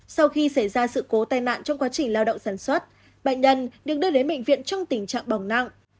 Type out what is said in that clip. sau khi xảy ra sự cố tai nạn trong quá trình lao động sản xuất bệnh nhân được đưa đến bệnh viện trong tình trạng bỏng nặng